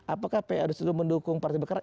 apakah pa dua ratus dua belas mendukung partai bekara